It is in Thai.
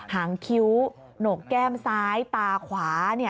หางคิ้วโหนกแก้มซ้ายตาขวา